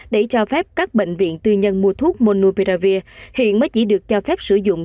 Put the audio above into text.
để cho phép các bệnh viện tư nhân mua thuốc monopearavir hiện mới chỉ được cho phép sử dụng